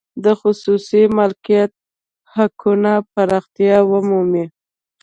د خصوصي مالکیت حقونه پراختیا ومومي.